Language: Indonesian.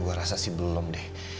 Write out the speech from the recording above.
gue rasa sih belum deh